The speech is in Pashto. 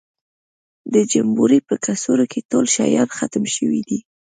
د جمبوري په کڅوړه کې ټول شیان ختم شوي دي.